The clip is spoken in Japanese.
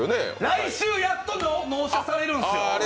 来週やっと納車されるんですよ。